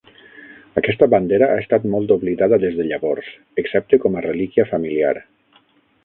Aquesta bandera ha estat molt oblidada des de llavors, excepte com a relíquia familiar.